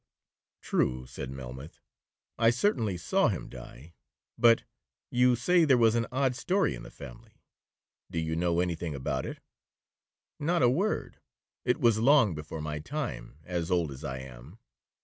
'True,' said Melmoth, 'I certainly saw him die; but—you say there was an odd story in the family, do you know any thing about it?' 'Not a word, it was long before my time, as old as I am.'